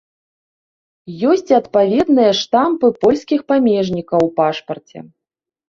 Ёсць і адпаведныя штампы польскіх памежнікаў у пашпарце.